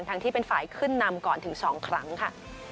ที่เป็นฝ่ายขึ้นนำก่อนถึง๒ครั้งค่ะ